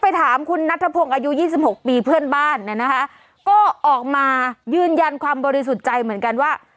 ไปถามคุณนัทพระพธมันอยู่๒๖ปีเพื่อนบ้านนะฮะก็ออกมายืนยันความบริสุทธิ์ใจเหมือนกันว่า